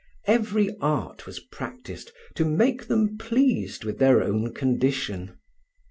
Every art was practised to make them pleased with their own condition.